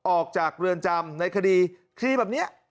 ออกจากเรือนจำในคดีคลีแบบนี้